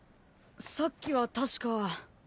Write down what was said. さっきは確か。